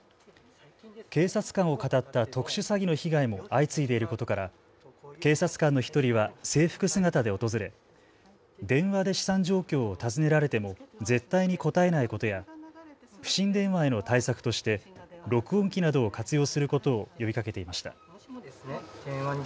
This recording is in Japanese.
警察官をかたった特殊詐欺の被害も相次いでいることから警察官の１人は制服姿で訪れ、電話で資産状況を尋ねられても絶対に答えないことや不審電話への対策として録音機などを活用することを呼びかけていました。